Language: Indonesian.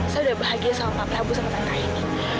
saya udah bahagia sama pak prabu sama tante aini